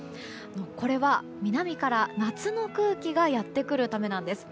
これは、南から夏の空気がやってくるためなんです。